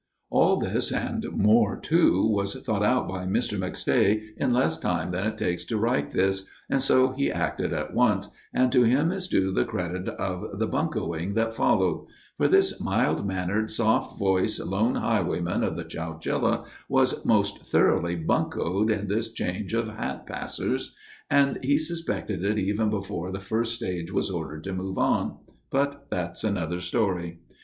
All this and more, too, was thought out by Mr. McStay in less time than it takes to write this, and so he acted at once, and to him is due the credit of the "buncoing" that followed; for this mild mannered, soft voiced Lone Highwayman of the Chowchilla was most thoroughly "buncoed" in this change of "hat passers," and he suspected it even before the first stage was ordered to "move on." But that's another story.